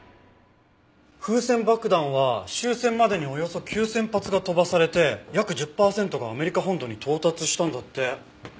風船爆弾は終戦までにおよそ９０００発が飛ばされて約１０パーセントがアメリカ本土に到達したんだって。